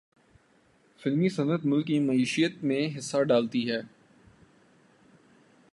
فلمی صنعت ملک کی معیشت میں حصہ ڈالتی ہے۔